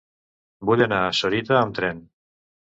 Vull anar a Sorita amb tren.